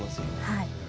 はい。